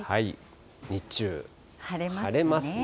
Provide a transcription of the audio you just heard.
日中、晴れますね。